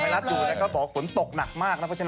นะครับก็ไม่ได้ใส่ใจ